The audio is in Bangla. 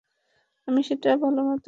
আমি সেটা ভালোমতো পারবো।